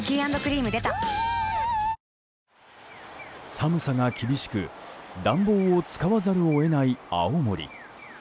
寒さが厳しく暖房を使わざるを得ない青森。